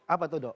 apa tuh dok